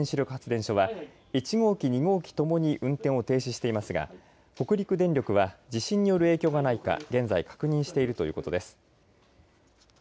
先ほど地震で震度３度の揺れを観測した石川県石川町にある志賀原子力発電所は１号機２号機ともに運転を停止していますが北陸電力は地震による影響がないか現在確認しているということです。